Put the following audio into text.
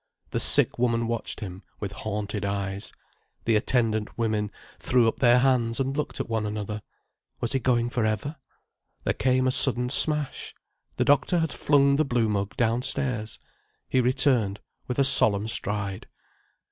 The sick woman watched him with haunted eyes. The attendant women threw up their hands and looked at one another. Was he going for ever? There came a sudden smash. The doctor had flung the blue mug downstairs. He returned with a solemn stride.